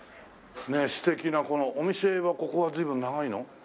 素敵なこのお店はここは随分長いの？